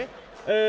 え？